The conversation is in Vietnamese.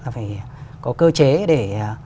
là phải có cơ chế để